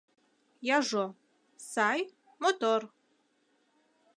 Яжо — сай, мотор.